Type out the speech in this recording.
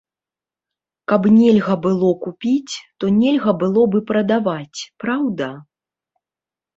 Каб нельга было купіць, то нельга было б і прадаваць, праўда?